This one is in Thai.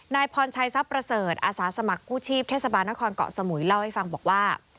นายพรชัยทรัพย์ประเสริฐอาสาสมัครกู้ชีพเทศบาลนครเกาะสมุยเล่าให้ฟังบอกว่า